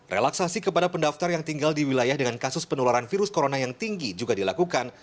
relaksasi kepada pendaftar yang tinggal di wilayah dengan kasus penularan virus corona yang tinggi juga dilakukan